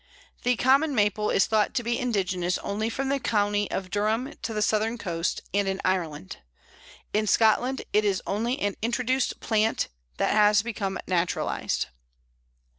The Common Maple is thought to be indigenous only from the county of Durham to the southern coast, and in Ireland. In Scotland it is only an introduced plant that has become naturalized.